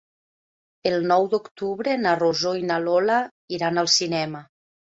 El nou d'octubre na Rosó i na Lola iran al cinema.